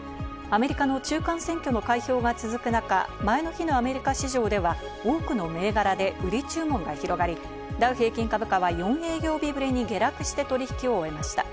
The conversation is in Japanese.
アメリカの中間選挙の開票が続く中、前の日のアメリカ市場では多くの銘柄で売り注文が広がり、ダウ平均株価は４営業日ぶりに下落して取引を終えました。